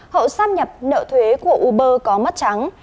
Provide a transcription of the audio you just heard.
hậu xâm nhập nợ thuế của uber có mất trắng